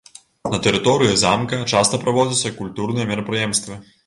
На тэрыторыі замка часта праводзяцца культурныя мерапрыемствы.